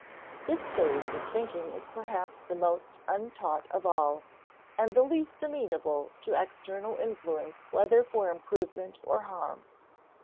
This phase of thinking is perhaps the most untaught of all, and the least amenable to external influence whether for improvement or harm.